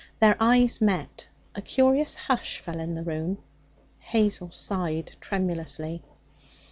Their eyes met; a curious hush fell on the room; Hazel sighed tremulously.